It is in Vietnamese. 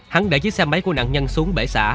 hắn để chiếc xe máy của nạn nhân xuống bể xã